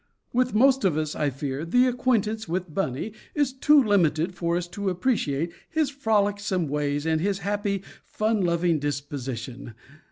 With most of us, I fear, the acquaintance with Bunny is too limited for us to appreciate his frolicsome ways and his happy, fun loving disposition.